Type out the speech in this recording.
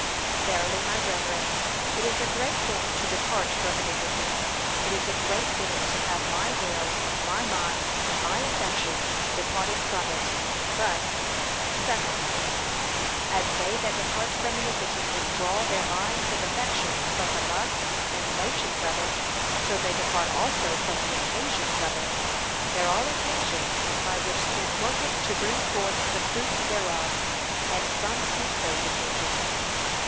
Verily, my brethren, it is a great thing to depart from iniquity; it is a great thing to have my will, my mind, and my affections departing from it. But, Second, As they that depart from iniquity withdraw their minds and affections from the lusts and motions of it, so they depart also from the OCCASIONS of it; there are occasions by which sin worketh to bring forth the fruits thereof, and some seek those occasions.